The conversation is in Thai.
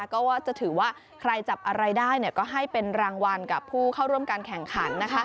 ก็ว่าจะถือว่าใครจับอะไรได้ก็ให้เป็นรางวัลกับผู้เข้าร่วมการแข่งขัน